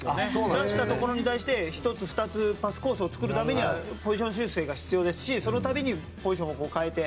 出したところに対して１つ、２つパスコースを作るためにはポジション修正が必要ですしそのたびにポジションを変えて